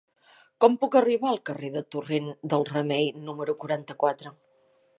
Com puc arribar al carrer del Torrent del Remei número quaranta-quatre?